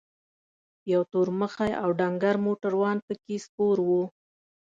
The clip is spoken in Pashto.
یو تور مخی او ډنګر موټروان پکې سپور و.